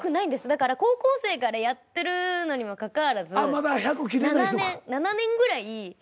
だから高校生からやってるのにもかかわらず７年ぐらいやっててもうホントに。